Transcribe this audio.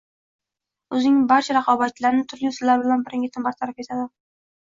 o‘zining barcha raqobatchilarini turli usullar bilan birin-ketin bartaraf etadi